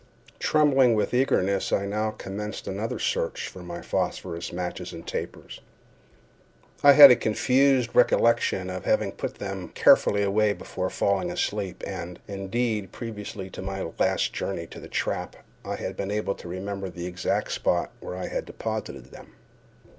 Trembling with eagerness, I now commenced another search for my phosphorus matches and tapers. I had a confused recollection of having put them carefully away just before falling asleep; and, indeed, previously to my last journey to the trap, I had been able to remember the exact spot where I had deposited them.